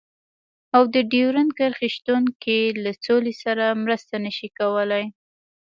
او د ډيورنډ کرښې شتون کې له سولې سره مرسته نشي کولای.